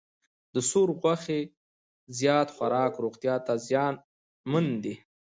د سور غوښې زیات خوراک روغتیا ته زیانمن دی.